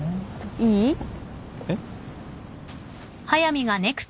いい？えっ？